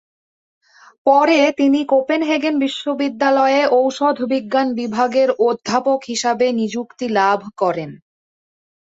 পরে তিনি কোপেনহেগেন বিশ্ববিদ্যালয়ে ঔষধ বিজ্ঞান বিভাগের অধ্যাপক হিসাবে নিযুক্তি লাভ করেন।